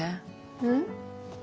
うん？